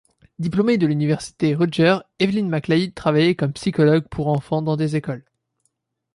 Diplômée de l'université Rutgers, Evelyn McNally travaillait comme psychologue pour enfants dans des écoles.